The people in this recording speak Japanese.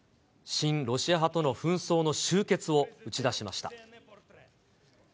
親ロシア派との紛争の終結を打ち出しました。